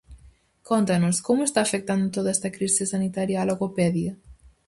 Cóntanos, como está afectando toda esta crise sanitaria á logopedia?